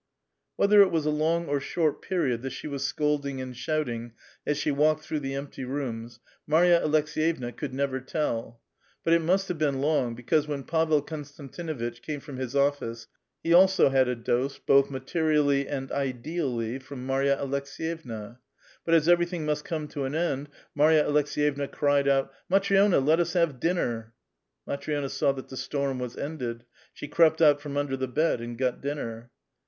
Whether it was a long or short i)eriod that she was scold ing and shouting as she walked through the empty rooms, Marva Aleks^vevna could never tell ; but it must have been long, because when Pavel Konstantinuitch came from his office, he also had a dose both materially and ideally from Marva Aleks^vevna. But as evervthing must come to an end, Marya Alekseyevna cried out, " Matri6na, let us have dinner !" Matri6na saw that the stonn was ended ; she crept out from under the bed and got dinner.